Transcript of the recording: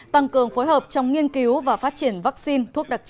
tăng cường phối hợp trong nghiên cứu và phát triển